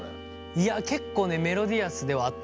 いや結構ねメロディアスではあった